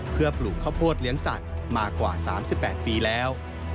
เพื่อปลูกข้าวโพดเลี้ยงสัตว์มากว่า๓๘ปีแล้ว